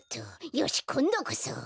よしこんどこそ！